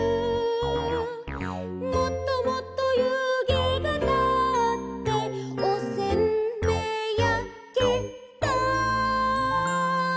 「もっともっと湯気がたっておせんべいやけた」